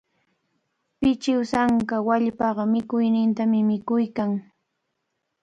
Pichisanka wallpapa mikuynintami mikuykan.